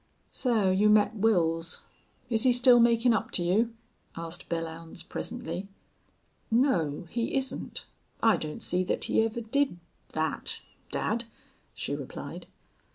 "So you met Wils. Is he still makin' up to you?" asked Belllounds, presently. "No, he isn't. I don't see that he ever did that dad," she replied.